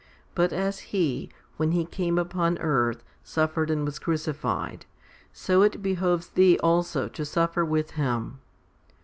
But as He, when He came upon earth, suffered and was crucified, so it behoves thee also to suffer with Him.